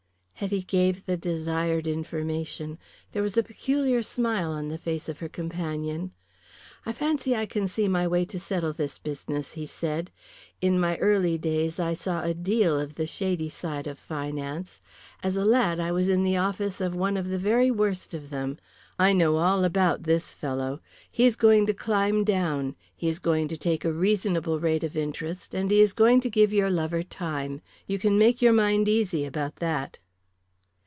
Hetty gave the desired information. There was a peculiar smile on the face of her companion. "I fancy I can see my way to settle this business," he said. "In my early days I saw a deal of the shady side of finance as a lad I was in the office of one of the very worst of them. I know all about this fellow. He is going to climb down, he is going to take a reasonable rate of interest, and he is going to give your lover time. You can make your mind easy about that."